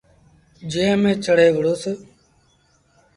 جݩهݩ ميݩ چڙهي وُهڙوس۔